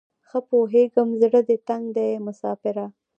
ښه پوهیږم زړه دې تنګ دی مساپره